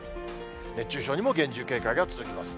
熱中症にも厳重警戒が続きます。